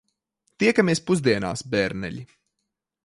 Tiekamies pusdienās, bērneļi.